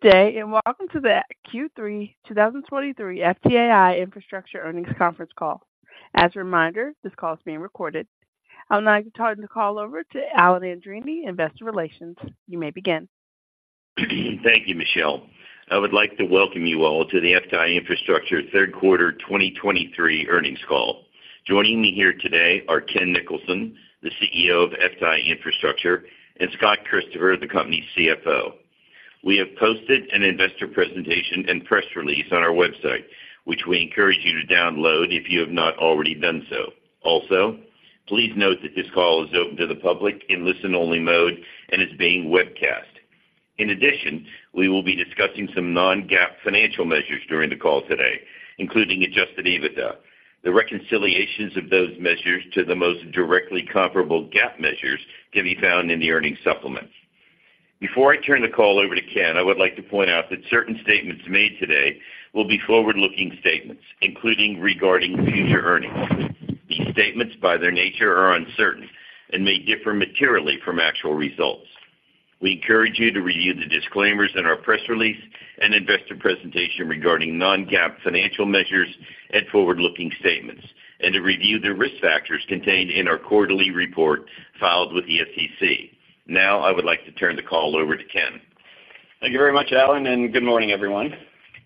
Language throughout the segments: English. Good day, and welcome to the Q3 2023 FTAI Infrastructure Earnings Conference Call. As a reminder, this call is being recorded. I would now like to turn the call over to Alan Andreini, Investor Relations. You may begin. Thank you, Michelle. I would like to welcome you all to the FTAI Infrastructure third quarter 2023 earnings call. Joining me here today are Ken Nicholson, the CEO of FTAI Infrastructure, and Scott Christopher, the company's CFO. We have posted an investor presentation and press release on our website, which we encourage you to download if you have not already done so. Also, please note that this call is open to the public in listen-only mode and is being webcast. In addition, we will be discussing some non-GAAP financial measures during the call today, including adjusted EBITDA. The reconciliations of those measures to the most directly comparable GAAP measures can be found in the earnings supplement. Before I turn the call over to Ken, I would like to point out that certain statements made today will be forward-looking statements, including regarding future earnings. These statements, by their nature, are uncertain and may differ materially from actual results. We encourage you to review the disclaimers in our press release and investor presentation regarding non-GAAP financial measures and forward-looking statements, and to review the risk factors contained in our quarterly report filed with the SEC. Now, I would like to turn the call over to Ken. Thank you very much, Alan, and good morning, everyone.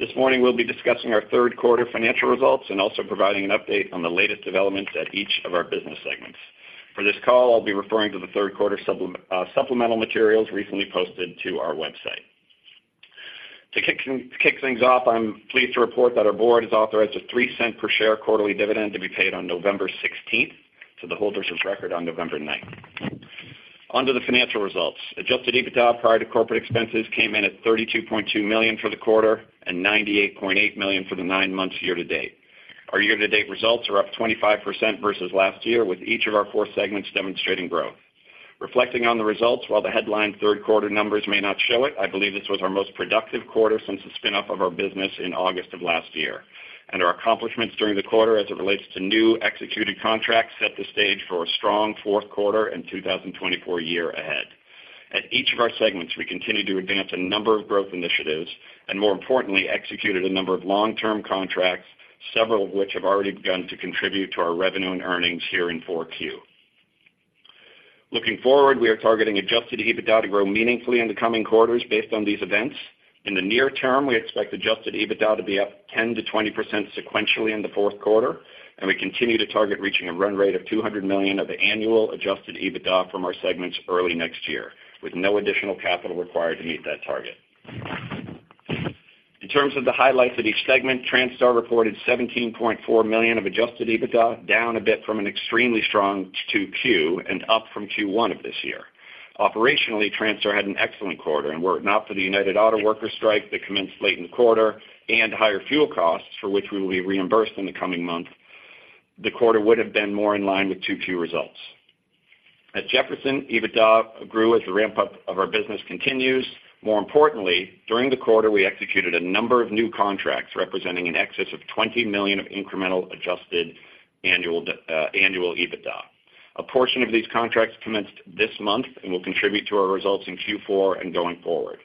This morning, we'll be discussing our third quarter financial results and also providing an update on the latest developments at each of our business segments. For this call, I'll be referring to the third quarter supplemental materials recently posted to our website. To kick things off, I'm pleased to report that our board has authorized a $0.03 per share quarterly dividend to be paid on November sixteenth, to the holders of record on November ninth. On to the financial results. Adjusted EBITDA prior to corporate expenses came in at $32.2 million for the quarter and $98.8 million for the nine months year to date. Our year-to-date results are up 25% versus last year, with each of our four segments demonstrating growth. Reflecting on the results, while the headline third quarter numbers may not show it, I believe this was our most productive quarter since the spin-off of our business in August of last year, and our accomplishments during the quarter as it relates to new executed contracts set the stage for a strong fourth quarter and 2024 year ahead. At each of our segments, we continued to advance a number of growth initiatives, and more importantly, executed a number of long-term contracts, several of which have already begun to contribute to our revenue and earnings here in Q4. Looking forward, we are targeting Adjusted EBITDA to grow meaningfully in the coming quarters based on these events. In the near term, we expect Adjusted EBITDA to be up 10%-20% sequentially in the fourth quarter, and we continue to target reaching a run rate of $200 million of annual Adjusted EBITDA from our segments early next year, with no additional capital required to meet that target. In terms of the highlights of each segment, Transtar reported $17.4 million of Adjusted EBITDA, down a bit from an extremely strong 2Q and up from Q1 of this year. Operationally, Transtar had an excellent quarter, and were it not for the United Auto Workers strike that commenced late in the quarter and higher fuel costs, for which we will be reimbursed in the coming months, the quarter would have been more in line with 2Q results. At Jefferson, EBITDA grew as the ramp-up of our business continues. More importantly, during the quarter, we executed a number of new contracts representing an excess of $20 million of incremental adjusted annual EBITDA. A portion of these contracts commenced this month and will contribute to our results in Q4 and going forward.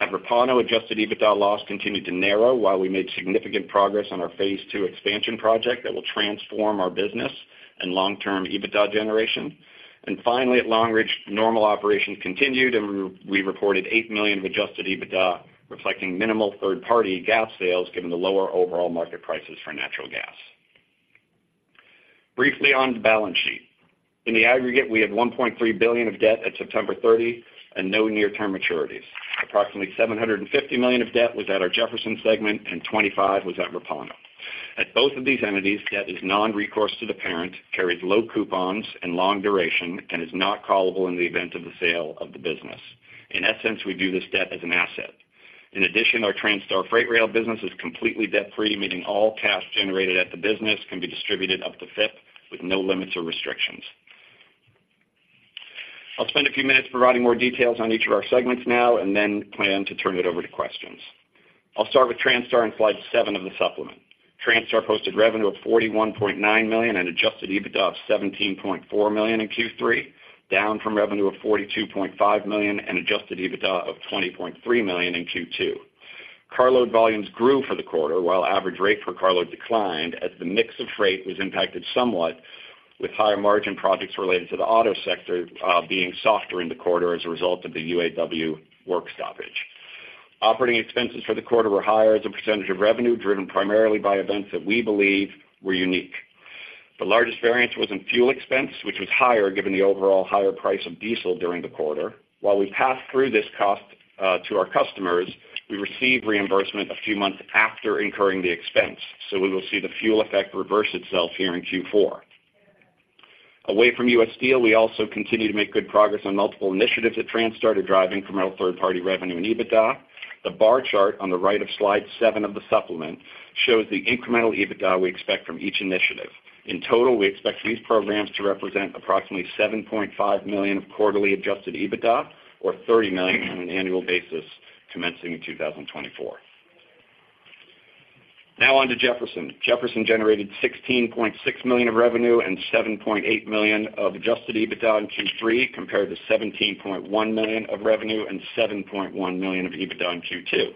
At Repauno, adjusted EBITDA loss continued to narrow, while we made significant progress on our phase II expansion project that will transform our business and long-term EBITDA generation. And finally, at Long Ridge, normal operations continued, and we reported $8 million of adjusted EBITDA, reflecting minimal third-party gas sales given the lower overall market prices for natural gas. Briefly on the balance sheet. In the aggregate, we had $1.3 billion of debt at September 30 and no near-term maturities. Approximately $750 million of debt was at our Jefferson segment and $25 million was at Repauno. At both of these entities, debt is non-recourse to the parent, carries low coupons and long duration, and is not callable in the event of the sale of the business. In essence, we view this debt as an asset. In addition, our Transtar freight rail business is completely debt-free, meaning all cash generated at the business can be distributed up to FIP with no limits or restrictions. I'll spend a few minutes providing more details on each of our segments now and then plan to turn it over to questions. I'll start with Transtar on slide 7 of the supplement. Transtar posted revenue of $41.9 million and Adjusted EBITDA of $17.4 million in Q3, down from revenue of $42.5 million and Adjusted EBITDA of $20.3 million in Q2. Carload volumes grew for the quarter, while average rate for carload declined, as the mix of freight was impacted somewhat with higher margin projects related to the auto sector being softer in the quarter as a result of the UAW work stoppage. Operating expenses for the quarter were higher as a percentage of revenue, driven primarily by events that we believe were unique. The largest variance was in fuel expense, which was higher given the overall higher price of diesel during the quarter. While we passed through this cost to our customers, we received reimbursement a few months after incurring the expense, so we will see the fuel effect reverse itself here in Q4. Away from U.S. Steel, we also continue to make good progress on multiple initiatives at Transtar to drive incremental third-party revenue and EBITDA. The bar chart on the right of slide 7 of the supplement shows the incremental EBITDA we expect from each initiative. In total, we expect these programs to represent approximately $7.5 million of quarterly Adjusted EBITDA, or $30 million on an annual basis, commencing in 2024.... Now on to Jefferson. Jefferson generated $16.6 million of revenue and $7.8 million of Adjusted EBITDA in Q3, compared to $17.1 million of revenue and $7.1 million of EBITDA in Q2.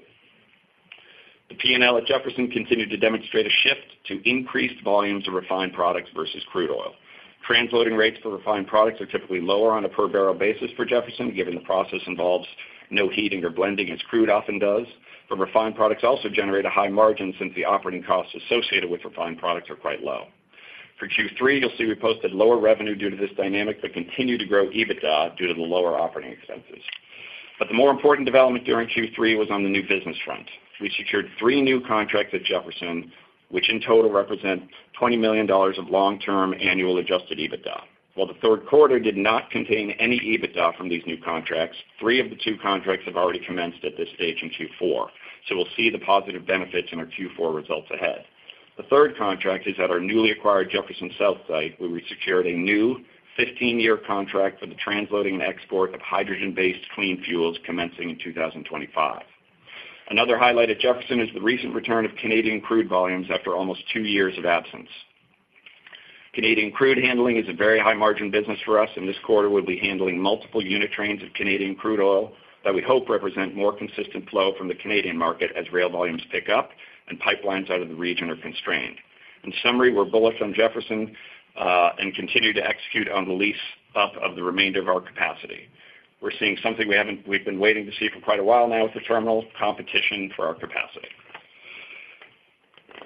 The P&L at Jefferson continued to demonstrate a shift to increased volumes of refined products versus crude oil. Transloading rates for refined products are typically lower on a per barrel basis for Jefferson, given the process involves no heating or blending, as crude often does. But refined products also generate a high margin since the operating costs associated with refined products are quite low. For Q3, you'll see we posted lower revenue due to this dynamic, but continued to grow EBITDA due to the lower operating expenses. But the more important development during Q3 was on the new business front. We secured three new contracts at Jefferson, which in total represent $20 million of long-term annual Adjusted EBITDA. While the third quarter did not contain any EBITDA from these new contracts, three of the two contracts have already commenced at this stage in Q4, so we'll see the positive benefits in our Q4 results ahead. The third contract is at our newly acquired Jefferson South site, where we secured a new 15-year contract for the transloading and export of hydrogen-based clean fuels commencing in 2025. Another highlight at Jefferson is the recent return of Canadian crude volumes after almost two years of absence. Canadian crude handling is a very high-margin business for us, and this quarter, we'll be handling multiple unit trains of Canadian crude oil that we hope represent more consistent flow from the Canadian market as rail volumes pick up and pipelines out of the region are constrained. In summary, we're bullish on Jefferson and continue to execute on the lease up of the remainder of our capacity. We're seeing something we haven't—we've been waiting to see for quite a while now at the terminal, competition for our capacity.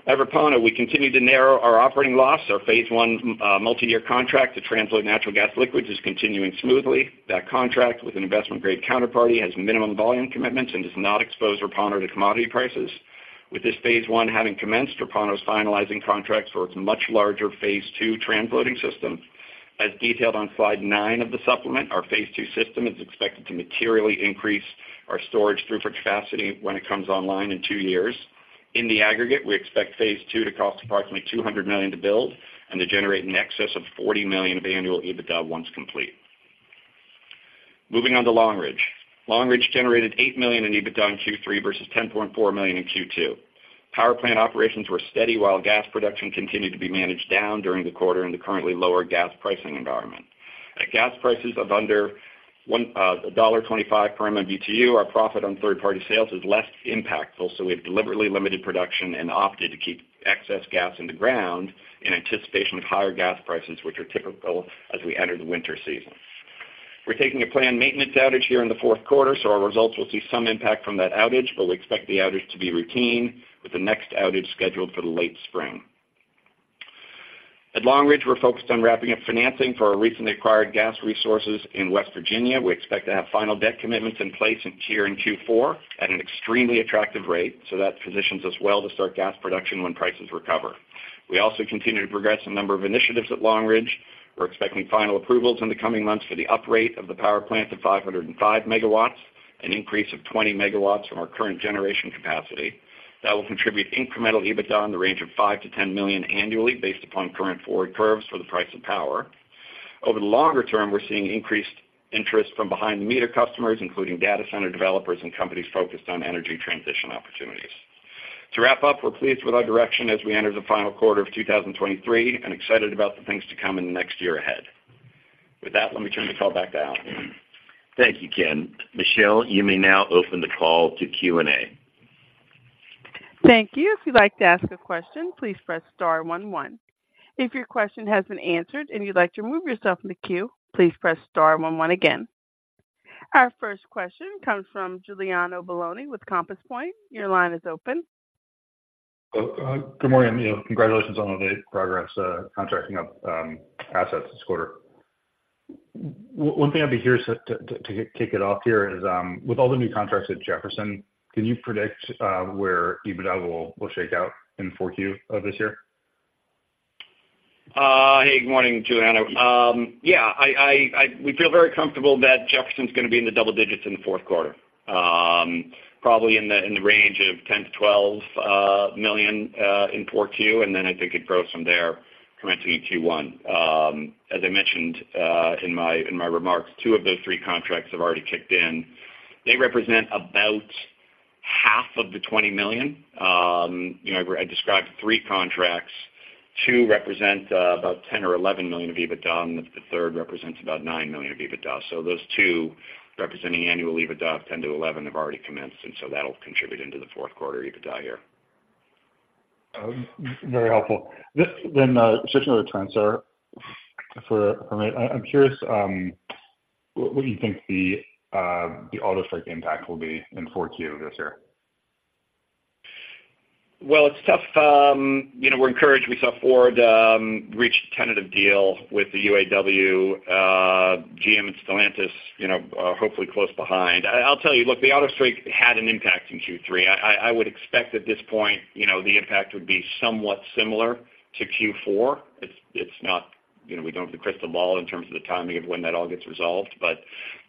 At Repauno, we continue to narrow our operating loss. Our phase I multiyear contract to transload natural gas liquids is continuing smoothly. That contract with an investment-grade counterparty has minimum volume commitments and does not expose Repauno to commodity prices. With this phase I having commenced, Repauno is finalizing contracts for its much larger phase II transloading system. As detailed on slide nine of the supplement, our phase II system is expected to materially increase our storage throughput capacity when it comes online in two years. In the aggregate, we expect phase II to cost approximately $200 million to build and to generate in excess of $40 million of annual EBITDA once complete. Moving on to Long Ridge. Long Ridge generated $8 million in EBITDA in Q3 versus $10.4 million in Q2. Power plant operations were steady, while gas production continued to be managed down during the quarter in the currently lower gas pricing environment. At gas prices of under $1.25 per MMBtu, our profit on third-party sales is less impactful, so we have deliberately limited production and opted to keep excess gas in the ground in anticipation of higher gas prices, which are typical as we enter the winter season. We're taking a planned maintenance outage here in the fourth quarter, so our results will see some impact from that outage, but we expect the outage to be routine, with the next outage scheduled for the late spring. At Long Ridge, we're focused on wrapping up financing for our recently acquired gas resources in West Virginia. We expect to have final debt commitments in place in Q4 at an extremely attractive rate, so that positions us well to start gas production when prices recover. We also continue to progress a number of initiatives at Long Ridge. We're expecting final approvals in the coming months for the uprate of the power plant to 505 MW, an increase of 20 MW from our current generation capacity. That will contribute incremental EBITDA in the range of $5 million-$10 million annually, based upon current forward curves for the price of power. Over the longer term, we're seeing increased interest from behind-the-meter customers, including data center developers and companies focused on energy transition opportunities. To wrap up, we're pleased with our direction as we enter the final quarter of 2023, and excited about the things to come in the next year ahead. With that, let me turn the call back to Alan. Thank you, Ken. Michelle, you may now open the call to Q&A. Thank you. If you'd like to ask a question, please press star one one. If your question has been answered and you'd like to remove yourself from the queue, please press star one one again. Our first question comes from Giuliano Bologna with Compass Point. Your line is open. Good morning, you know, congratulations on all the progress, contracting up, assets this quarter. One thing I'd be curious to kick it off here is, with all the new contracts at Jefferson, can you predict where EBITDA will shake out in the 4Q of this year? Hey, good morning, Giuliano. We feel very comfortable that Jefferson's gonna be in the double digits in the fourth quarter, probably in the range of $10 million-$12 million in 4Q, and then I think it grows from there commencing in Q1. As I mentioned in my remarks, two of those three contracts have already kicked in. They represent about half of the $20 million. You know, I described three contracts. Two represent about $10 million or $11 million of EBITDA, and the third represents about $9 million of EBITDA. So those two representing annual EBITDA, $10 million-$11 million, have already commenced, and so that'll contribute into the fourth quarter EBITDA year. Very helpful. Just then, switching to Transtar for a minute. I'm curious, what do you think the auto strike impact will be in 4Q this year? Well, it's tough. You know, we're encouraged. We saw Ford reach a tentative deal with the UAW, GM and Stellantis, you know, hopefully close behind. I'll tell you, look, the auto strike had an impact in Q3. I would expect at this point, you know, the impact would be somewhat similar to Q4. It's not- you know, we don't have the crystal ball in terms of the timing of when that all gets resolved. But,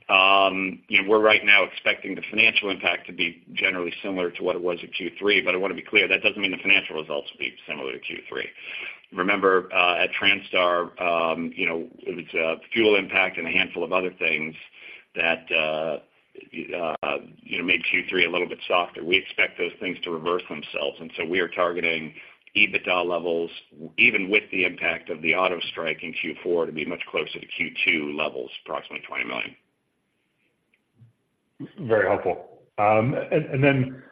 you know, we're right now expecting the financial impact to be generally similar to what it was at Q3, but I want to be clear: that doesn't mean the financial results will be similar to Q3. Remember, at Transtar, you know, it's fuel impact and a handful of other things that- you know, made Q3 a little bit softer. We expect those things to reverse themselves, and so we are targeting EBITDA levels, even with the impact of the auto strike in Q4, to be much closer to Q2 levels, approximately $20 million. Very helpful. And then,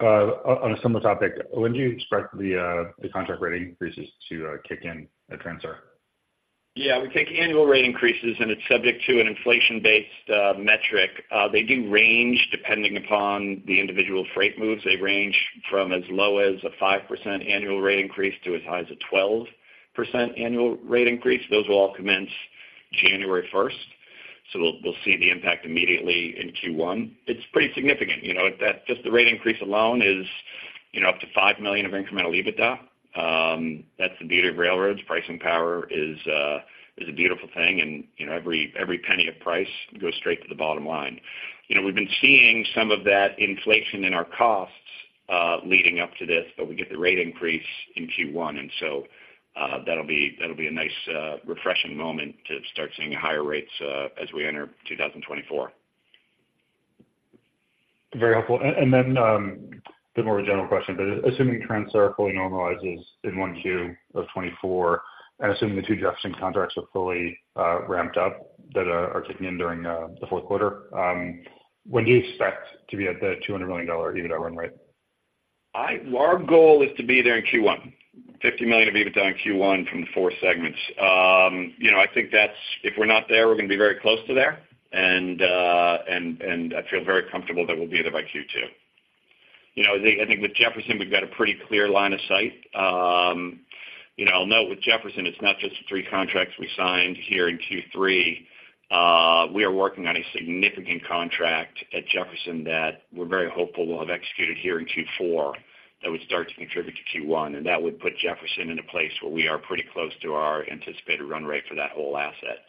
on a similar topic, when do you expect the contract rate increases to kick in at Transtar? Yeah, we take annual rate increases, and it's subject to an inflation-based metric. They do range depending upon the individual freight moves. They range from as low as a 5% annual rate increase to as high as a 12% annual rate increase. Those will all commence January 1st. So we'll see the impact immediately in Q1. It's pretty significant. You know, that just the rate increase alone is, you know, up to $5 million of incremental EBITDA. That's the beauty of railroads. Pricing power is a beautiful thing, and, you know, every penny of price goes straight to the bottom line. You know, we've been seeing some of that inflation in our costs, leading up to this, but we get the rate increase in Q1, and so, that'll be a nice, refreshing moment to start seeing higher rates, as we enter 2024. Very helpful. And then, the more general question, but assuming Transtar fully normalizes in Q1 of 2024, and assuming the two Jefferson contracts are fully ramped up, that are kicking in during the fourth quarter, when do you expect to be at the $200 million EBITDA run rate? Our goal is to be there in Q1. $50 million of EBITDA in Q1 from the four segments. You know, I think that's if we're not there, we're gonna be very close to there. And I feel very comfortable that we'll be there by Q2. You know, I think with Jefferson, we've got a pretty clear line of sight. You know, I'll note with Jefferson, it's not just the three contracts we signed here in Q3. We are working on a significant contract at Jefferson that we're very hopeful we'll have executed here in Q4, that would start to contribute to Q1, and that would put Jefferson in a place where we are pretty close to our anticipated run rate for that whole asset.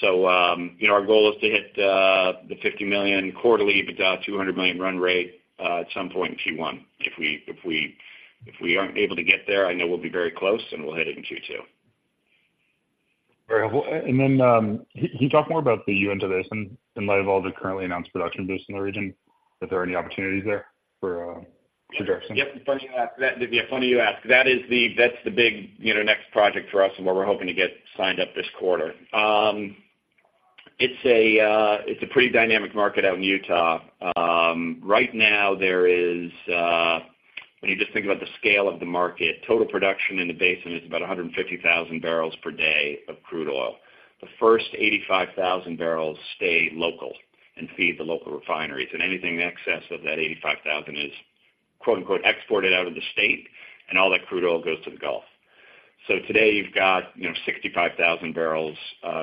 You know, our goal is to hit the $50 million quarterly EBITDA, $200 million run rate at some point in Q1. If we aren't able to get there, I know we'll be very close and we'll hit it in Q2. Very helpful. Can you talk more about the Uinta Basin and, in light of all the currently announced production boosts in the region, if there are any opportunities there for Jefferson? Yep, funny you ask that. Yeah, funny you ask. That is the big, you know, next project for us and what we're hoping to get signed up this quarter. It's a pretty dynamic market out in Utah. Right now, there is... When you just think about the scale of the market, total production in the basin is about 150,000 barrels per day of crude oil. The first 85,000 barrels stay local and feed the local refineries, and anything in excess of that 85,000 is, quote, unquote, "exported out of the state," and all that crude oil goes to the Gulf. Today you've got, you know, 65,000 barrels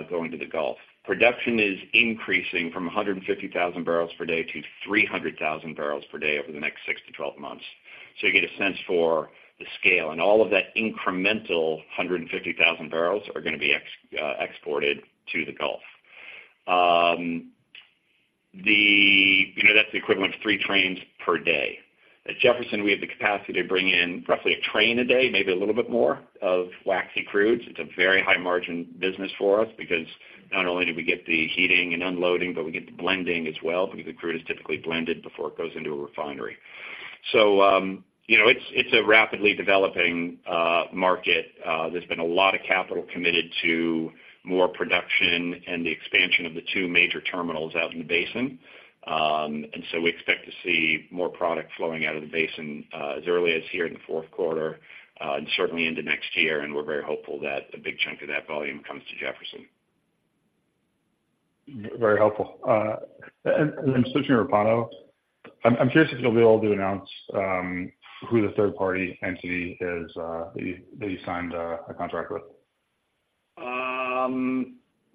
going to the Gulf. Production is increasing from 150,000 barrels per day to 300,000 barrels per day over the next 6-12 months. You get a sense for the scale. All of that incremental 150,000 barrels are gonna be exported to the Gulf. You know, that's the equivalent of three trains per day. At Jefferson, we have the capacity to bring in roughly a train a day, maybe a little bit more, of waxy crudes. It's a very high-margin business for us because not only do we get the heating and unloading, but we get the blending as well, because the crude is typically blended before it goes into a refinery. You know, it's a rapidly developing market. There's been a lot of capital committed to more production and the expansion of the two major terminals out in the basin. So we expect to see more product flowing out of the basin as early as here in the fourth quarter and certainly into next year, and we're very hopeful that a big chunk of that volume comes to Jefferson. Very helpful. And switching to Repauno, I'm curious if you'll be able to announce who the third-party entity is that you signed a contract with.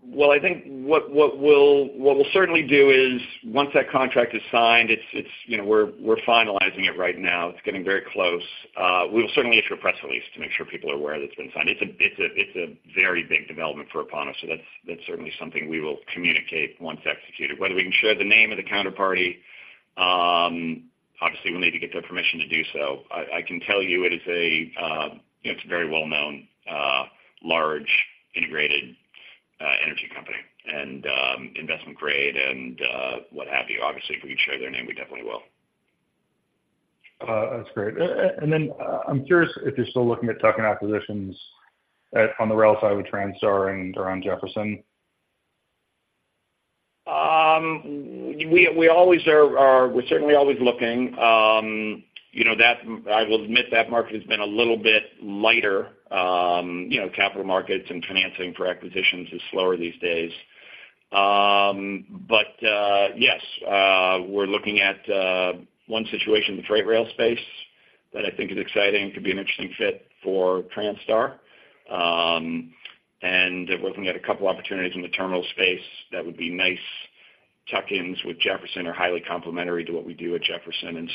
Well, I think what we'll certainly do is once that contract is signed, it's you know we're finalizing it right now. It's getting very close. We will certainly issue a press release to make sure people are aware that it's been signed. It's a very big development for Repauno, so that's certainly something we will communicate once executed. Whether we can share the name of the counterparty, obviously, we'll need to get their permission to do so. I can tell you it is a you know it's a very well-known large integrated energy company and investment grade and what have you. Obviously, if we can share their name, we definitely will. That's great. I'm curious if you're still looking at tuck-in acquisitions at, on the rail side with Transtar and around Jefferson. We always are, are... We're certainly always looking. I will admit that market has been a little bit lighter. You know, capital markets and financing for acquisitions is slower these days. Yes, we're looking at one situation in the freight rail space that I think is exciting, could be an interesting fit for Transtar. We're looking at a couple opportunities in the terminal space that would be nice tuck-ins with Jefferson or highly complementary to what we do at Jefferson.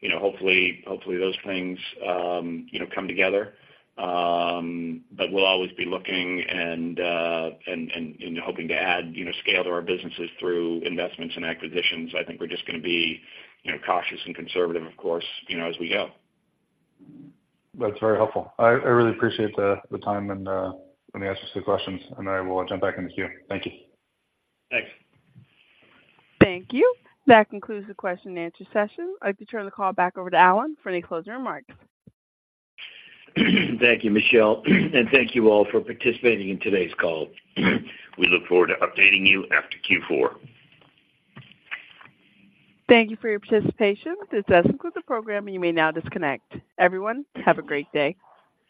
You know, hopefully, hopefully those things, you know, come together. We'll always be looking and, and, and hoping to add, you know, scale to our businesses through investments and acquisitions. I think we're just gonna be, you know, cautious and conservative, of course, you know, as we go. That's very helpful. I really appreciate the time and letting me ask you some questions, and I will jump back in the queue. Thank you. Thanks. Thank you. That concludes the question and answer session. I'd like to turn the call back over to Alan for any closing remarks. Thank you, Michelle, and thank you all for participating in today's call. We look forward to updating you after Q4. Thank you for your participation. This does conclude the program, and you may now disconnect. Everyone, have a great day!